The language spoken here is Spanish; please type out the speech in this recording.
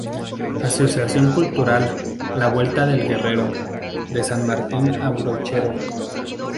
Asociación Cultural "La Vuelta del Guerrero" De San Martín a Brochero